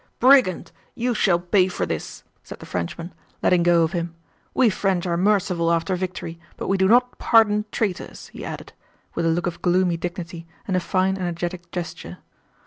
"Brigand! You shall pay for this," said the Frenchman, letting go of him. "We French are merciful after victory, but we do not pardon traitors," he added, with a look of gloomy dignity and a fine energetic gesture.